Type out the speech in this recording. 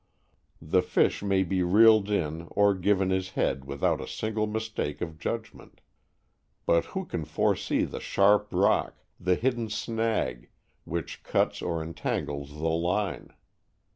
The fish may be reeled in or given his head without a single mistake of judgment. But who can foresee the sharp rock, the hidden snag, which cuts or entangles the line?